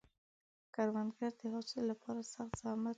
کروندګر د حاصل لپاره سخت زحمت باسي